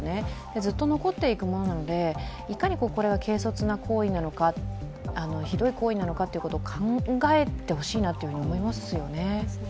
ずっと残っていくものなのでいかにこれが軽率な行為なのかひどい行為なのかを考えてほしいなと思いますね。